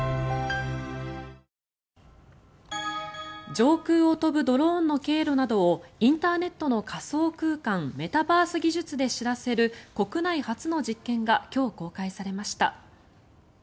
上空を飛ぶドローンの経路などをインターネットの仮想空間メタバース技術で知らせる国内初の実験が今日、公開されました。